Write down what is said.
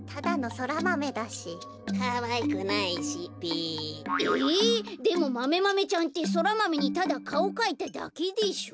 かわいくないしべ。え！？でもマメマメちゃんってソラマメにただかおかいただけでしょ。